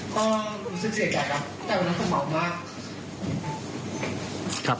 ก็รู้สึกเสียใจครับ